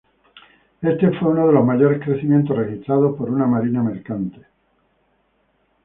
Este fue uno de los mayores crecimientos registrados por una marina mercante.